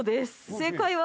正解は。